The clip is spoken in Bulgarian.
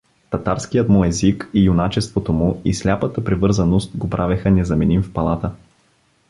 Татарският му език, юначеството му и сляпата привързаност го правеха незаменим в палата.